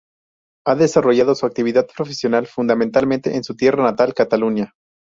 Ha desarrollado su actividad profesional fundamentalmente en su tierra natal, Cataluña.